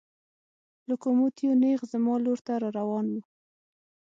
لوکوموتیو نېغ زما لور ته را روان و.